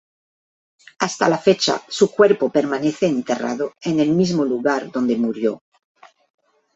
Hasta la fecha su cuerpo permanece enterrado en el mismo lugar donde murió.